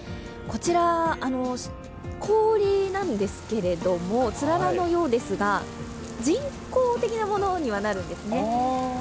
こちら、氷なんですけれども、つららのようですが人工的なものにはなるんですね。